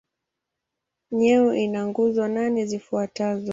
Nayo ina nguzo nane zifuatazo.